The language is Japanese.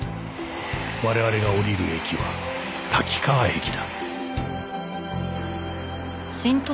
我々が降りる駅は滝川駅だ